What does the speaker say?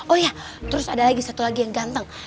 oh ya terus ada lagi satu lagi yang ganteng